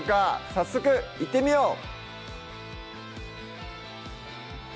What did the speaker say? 早速いってみよう！